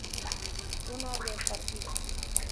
tú no habrías partido